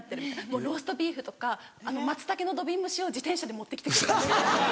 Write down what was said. もうローストビーフとかマツタケの土瓶蒸しを自転車で持って来てくれたりとか。